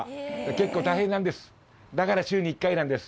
結構大変なんです。